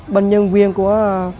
bên nhân viên của